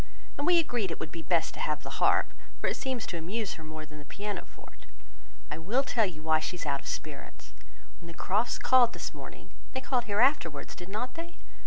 And we agreed it would be best to have the harp, for it seems to amuse her more than the piano forte. I will tell you why she is out of spirits. When the Crofts called this morning, (they called here afterwards, did not they?)